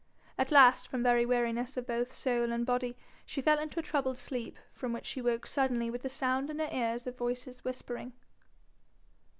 At last, from very weariness of both soul and body, she fell into a troubled sleep, from which she woke suddenly with the sound in her ears of voices whispering.